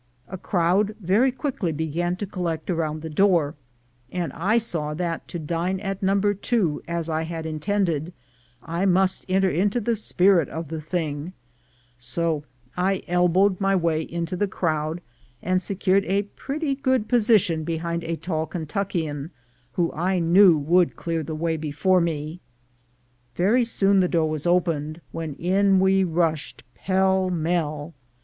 A crowd very quickly began to collect round the door, and I saw that to dine at number two, as I had intended, I must enter into the spirit of the thing; so I elbowed my way into the crowd, and secured a pretty good position behind a tall Kentuckian, who I knew would clear the way before me. Very soon the door was opened, when in we rushed pell mell.